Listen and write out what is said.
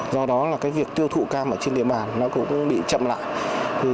do đó việc tiêu thụ cam ở trên địa bàn cũng bị chậm lại